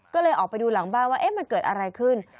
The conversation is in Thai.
ก็เลยออกไปดูหลังบ้านว่ามันเกิดอะไรขึ้น